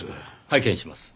拝見します。